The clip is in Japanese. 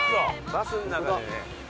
バスん中でね。